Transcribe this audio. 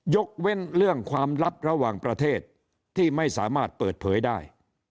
ยกเว้นเรื่องความลับระหว่างประเทศที่ไม่สามารถเปิดเผยได้